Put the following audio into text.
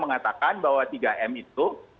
mengatakan bahwa tiga m itu